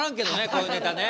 こういうネタね。